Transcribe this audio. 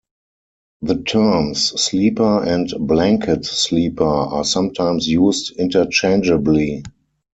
The terms "sleeper" and "blanket sleeper" are sometimes used interchangeably.